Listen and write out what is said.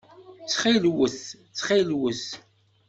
Ttxil-wet! Ttxil-wet!